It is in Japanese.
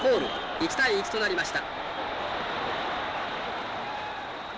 １対１となりました